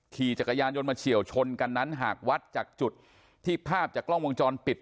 ขี่จักรยานยนต์มาเฉียวชนกันนั้นหากวัดจากจุดที่ภาพจากกล้องวงจรปิด